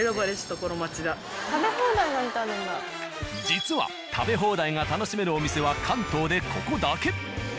実は食べ放題が楽しめるお店は関東でここだけ。